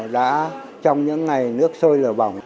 đã trong những ngày nước sôi lở bỏng